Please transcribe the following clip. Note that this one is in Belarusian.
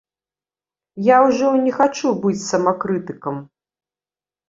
Я ўжо не хачу быць самакрытыкам.